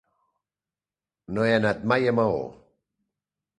No he anat mai a Maó.